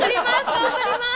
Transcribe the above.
頑張ります！